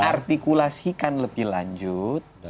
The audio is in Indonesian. diartikulasikan lebih lanjut